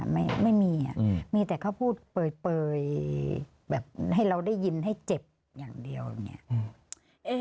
ไม่ไม่มีอ่ะอืมมีแต่เขาพูดเปลยเปลยแบบให้เราได้ยินให้เจ็บอย่างเดียวอย่างเงี้ยอืม